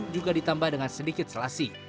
juga ditambah dengan sedikit selasi